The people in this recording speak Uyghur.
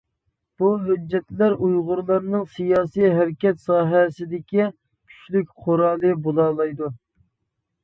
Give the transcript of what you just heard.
بۇ ھۆججەتلەر ئۇيغۇرلارنىڭ سىياسىي ھەرىكەت ساھەسىدىكى كۈچلۈك قورالى بولالايدۇ.